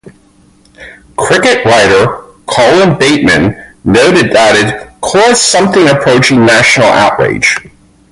Cricket writer, Colin Bateman, noted that it "caused something approaching national outrage".